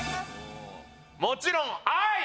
もちろん「愛」！